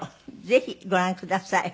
ぜひご覧ください。